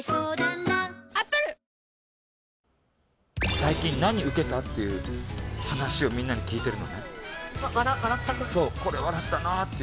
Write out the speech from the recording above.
最近何ウケた？っていう話をみんなに聞いてるの。